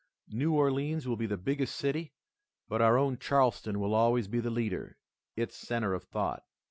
New Orleans will be the biggest city, but our own Charleston will always be the leader, its center of thought."